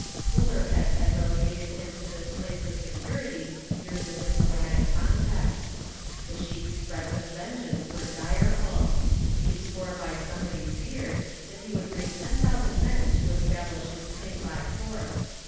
Cooler heads had relegated him to this place of security during the diplomatic contest. The sheik's threats of vengeance were direful. He swore by somebody's beard that he would bring ten thousand men to establish his claim by force.